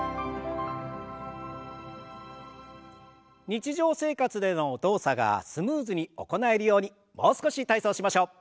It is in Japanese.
日常生活での動作がスムーズに行えるようにもう少し体操をしましょう。